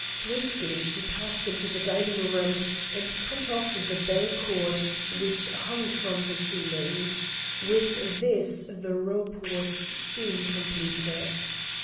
Swiftly she passed into the dining room, and cut off the bell cord which hung from the ceiling. With this the rope was soon completed.